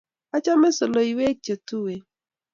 Achame soleiwek chetuwen